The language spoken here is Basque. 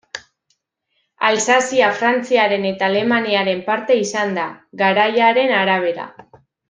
Alsazia Frantziaren eta Alemaniaren parte izan da, garaiaren arabera.